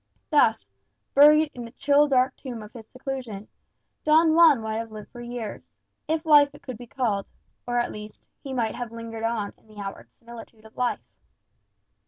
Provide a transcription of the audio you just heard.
Thus, buried in the chill dark tomb of his seclusion, Don Juan might have lived for years if life it could be called or, at least, he might have lingered on in the outward similitude of life.